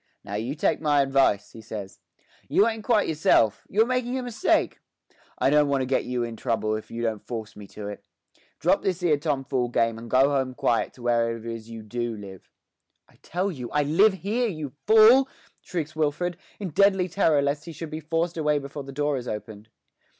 'Now you take my advice,' he says. 'You ain't quite yourself; you're making a mistake. I don't want to get you in trouble if you don't force me to it. Drop this 'ere tomfool game and go home quiet to wherever it is you do live.' 'I tell you I live here, you fool!' shrieks Wilfred, in deadly terror lest he should be forced away before the door is opened.